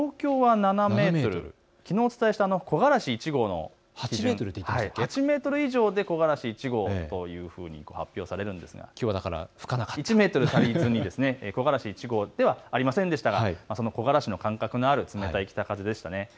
東京は７メートル、きのうお伝えした木枯らし１号の８メートル、８メートル以上で木枯らし１号というふうに発表されますがきょうは１メートル足りずに木枯らし１号ではありませんでした。冷たい北風でしたね。